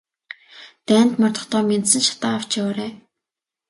Дайнд мордохдоо мяндсан шатаа авч яваарай.